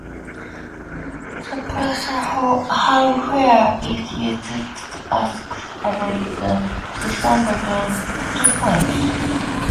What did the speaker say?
The phrase "How far" is used to ask about the distance between two points.